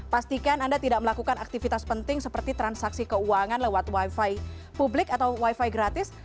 pastikan anda tidak melakukan aktivitas penting seperti transaksi keuangan lewat wifi publik atau wifi gratis